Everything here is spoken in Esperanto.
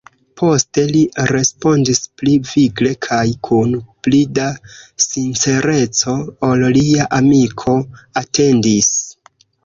Poste li respondis pli vigle kaj kun pli da sincereco, ol lia amiko atendis: